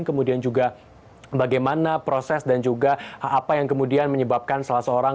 kemudian juga bagaimana proses dan juga apa yang kemudian menyebabkan salah seorang